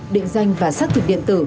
định danh và xác thực điện tử